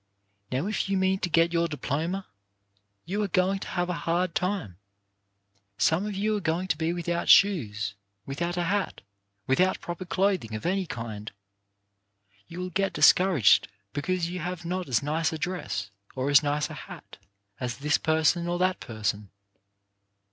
Now if you mean to get your diploma, you are going to have a hard time. Some of you are going to be without shoes, without a hat, without proper clothing of any kind. You will get discouraged because you have not as nice a dress or as nice a hat as this person or that person.